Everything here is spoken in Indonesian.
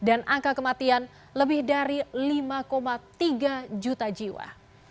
angka kematian lebih dari lima tiga juta jiwa